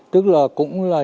tức là cũng là